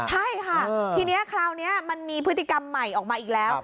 ใช่ค่ะทีนี้คราวนี้มันมีพฤติกรรมใหม่ออกมาอีกแล้ว